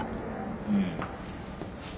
うん。